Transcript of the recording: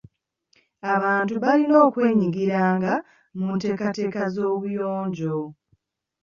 Abantu balina okwenyigiranga mu nteekateeka z'obuyonjo.